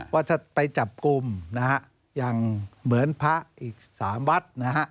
ว่าจะไปจับกลุ่มอย่างเหมือนพระอีก๓วัด